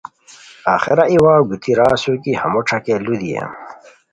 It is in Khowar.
آخرا ای واؤ گیتی را اسور کی اوا ہمو ݯاکے لودیئیم